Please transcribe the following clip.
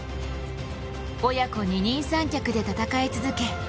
親子二人三脚で戦い続け